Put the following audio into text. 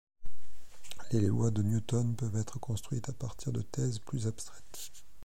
Les lois de Newton peuvent être construites à partir de thèses plus abstraites.